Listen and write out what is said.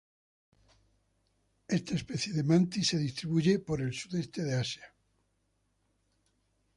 Esta especie de mantis se distribuye por el sudeste de Asia.